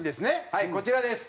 はいこちらです。